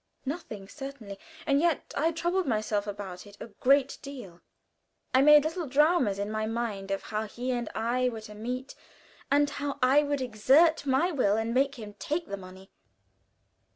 Nothing, certainly, and yet I troubled myself about it a great deal. I made little dramas in my mind of how he and I were to meet, and how I would exert my will and make him to take the money.